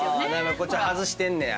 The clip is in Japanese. こっちは外してんねや。